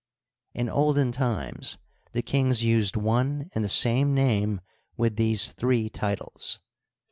In olden times the kings used one and the same name with these three titles.